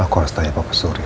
aku harus tanya papa surya